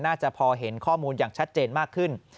น่าจะพอเห็นข้อมูลอย่างชัดเจนมากขึ้น